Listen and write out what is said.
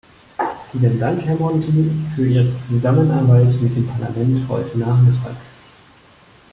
Vielen Dank, Herr Monti, für Ihre Zusammenarbeit mit dem Parlament heute Nachmittag.